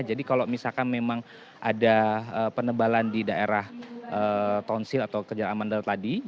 jadi kalau misalkan memang ada penebalan di daerah tonsil atau kejala mandal tadi